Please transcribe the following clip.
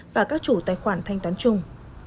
và các chủ tài khoản thanh toán chung